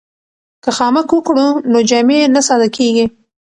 که خامک وکړو نو جامې نه ساده کیږي.